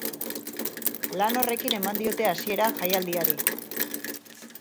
Lan horrekin eman diote hasiera jaialdiari.